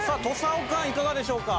おかんいかがでしょうか？